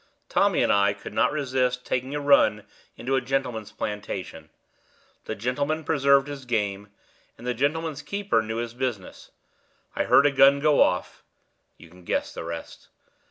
Tommy and I could not resist taking a run into a gentleman's plantation; the gentleman preserved his game; and the gentleman's keeper knew his business. I heard a gun go off; you can guess the rest.